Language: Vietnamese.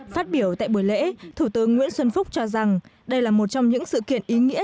phát biểu tại buổi lễ thủ tướng nguyễn xuân phúc cho rằng đây là một trong những sự kiện ý nghĩa